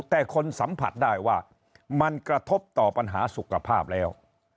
แต่คนสัมผัสได้ว่ามันกระทบต่อปัญหาสุขภาพแล้ว